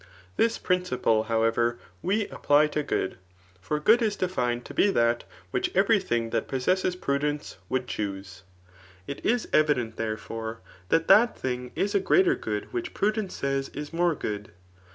This principle, howe^tf, vre apply to good ; for good is defined to be that, which every thing that possesses prudence wouM chose* It is evident, therefore, that that thing is a greater good which prudence says is more good.